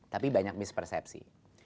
tapi banyak mispersepsi